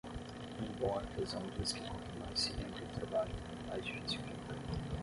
Um bom artesão diz que quanto mais se lembra do trabalho, mais difícil fica.